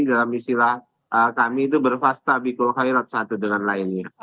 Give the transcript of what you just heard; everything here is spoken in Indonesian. dalam istilah kami itu berfasta bikul khairot satu dengan lainnya